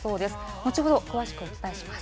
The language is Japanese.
後ほど、詳しくお伝えします。